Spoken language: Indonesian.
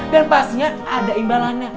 dan pastinya ada imbalannya